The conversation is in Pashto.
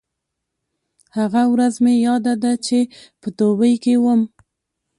هغه ورځ مې یاده ده چې په دوبۍ کې وم.